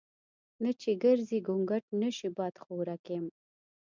نه چې ګرزي ګونګټ نشي بادخورک یم.